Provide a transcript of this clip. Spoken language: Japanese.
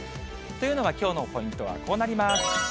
というのは、きょうのポイントはこうなります。